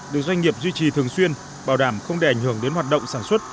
được doanh nghiệp duy trì thường xuyên bảo đảm không để ảnh hưởng đến hoạt động sản xuất